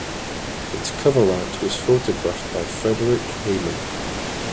Its cover art was photographed by Frederik Heyman.